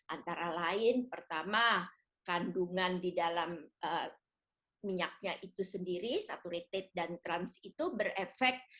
antara lain pertama kandungan di dalam minyaknya itu sendiri satu rate dan trans itu berefek